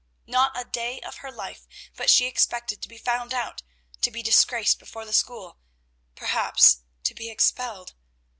Not a day of her life but she expected to be found out, to be disgraced before the school, perhaps to be expelled.